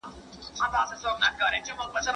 که انلاین کتابونه وي، د چاپي موادو اړتیا کمه کېږي.